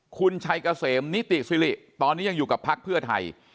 คุณชัยเกษมนิติสิริตอนนี้ยังอยู่กับพักเพื่อไทย